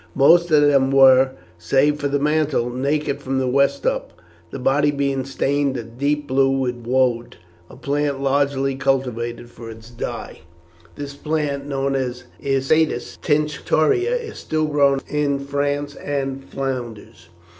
Most of them were, save for the mantle, naked from the waist up, the body being stained a deep blue with woad a plant largely cultivated for its dye. This plant, known as Isatis tinctoria, is still grown in France and Flanders.